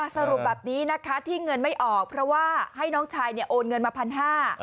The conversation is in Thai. สรุปแบบนี้นะคะที่เงินไม่ออกเพราะว่าให้น้องชายเนี่ยโอนเงินมาพันห้า